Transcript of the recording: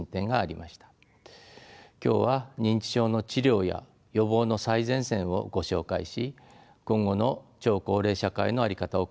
今日は認知症の治療や予防の最前線をご紹介し今後の超高齢社会の在り方を考えてみたいと思います。